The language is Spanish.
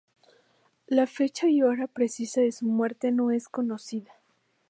La fecha y hora precisa de su muerte no es conocida.